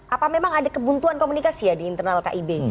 apa memang ada kebuntuan komunikasi ya di internal kib